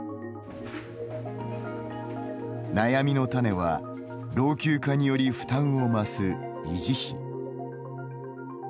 悩みの種は老朽化により負担を増す維持費。